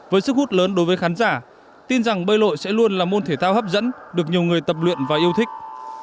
với sức hút lớn đối với khán giả tin rằng bơi lội sẽ luôn là môn thể thao hấp dẫn được nhiều người tập luyện và yêu thích